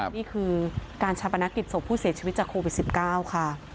นี่คือการชาปนกิจศพผู้เสียชีวิตจากโควิด๑๙ค่ะ